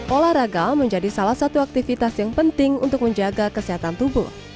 olahraga menjadi salah satu aktivitas yang penting untuk menjaga kesehatan tubuh